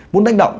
muốn đánh động